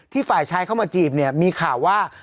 ฝ่ายชายเข้ามาจีบเนี่ยมีข่าวว่า